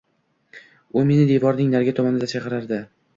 U meni devorning narigi tomonida chaqirardi